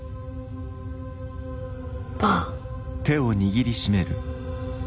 パー。